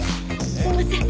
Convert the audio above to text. すいません。